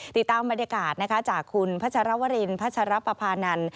ติดตามบรรยากาศจากคุณพระวรินพระปบานร